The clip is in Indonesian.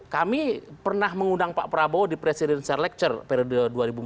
kami pernah mengundang pak prabowo di presidential lecture periode dua ribu empat belas